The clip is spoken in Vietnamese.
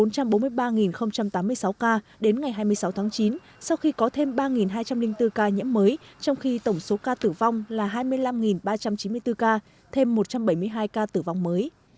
tổng số ca tử vong là một trăm năm mươi ba tám mươi sáu ca đến ngày hai mươi sáu tháng chín sau khi có thêm ba hai trăm linh bốn ca nhiễm mới trong khi tổng số ca tử vong là hai mươi năm ba trăm chín mươi bốn ca thêm một trăm bảy mươi hai ca tử vong mới